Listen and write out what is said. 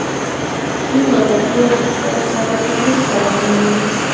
دوی له غربي او شرقي افکارو سره هېڅ تړاو نه لري.